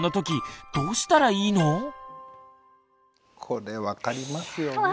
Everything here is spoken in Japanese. これ分かりますよね。